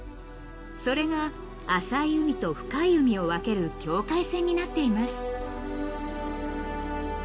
［それが浅い海と深い海を分ける境界線になっています］